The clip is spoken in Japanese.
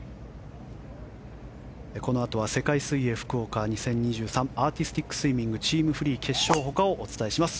このあとは世界水泳福岡２０２３アーティスティックスイミングチーム・フリー決勝ほかをお伝えします。